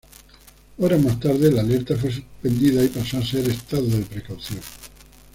Horas más tarde, la alerta fue suspendida y pasó a ser estado de precaución.